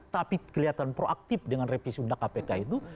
tapi kelihatan proaktif dengan revisi undang undang kpk itu